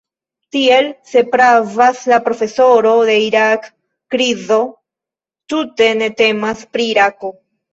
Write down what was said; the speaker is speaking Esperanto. Tiel, se pravas la profesoro, la Irak-krizo tute ne temas pri Irako.